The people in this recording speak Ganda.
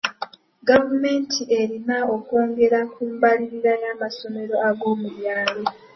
Gavumenti erina okwongera ku mbalirira y'amasomero ag'omubyalo.